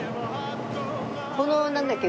このなんだっけ？